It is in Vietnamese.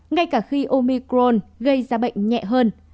ngay cả khi omicron gây ra bệnh nhẹ hơn